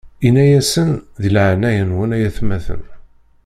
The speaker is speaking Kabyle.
Inna-yasen: Di leɛnaya-nwen, ay atmaten!